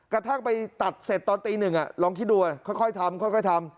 กระทั่งไปตัดเสร็จตอนตีหนึ่งลองคิดดูค่อยทำค่อยทำ